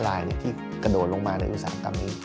ลายที่กระโดดลงมาในอุตสาหกรรมนี้